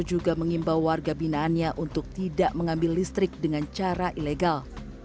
juga mengimbau warga binaannya untuk tidak mengambil listrik dengan cara ilegal